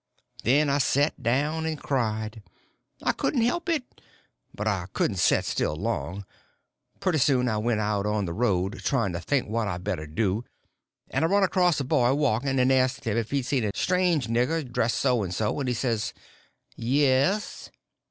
Then I set down and cried; I couldn't help it. But I couldn't set still long. Pretty soon I went out on the road, trying to think what I better do, and I run across a boy walking, and asked him if he'd seen a strange nigger dressed so and so, and he says: "Yes."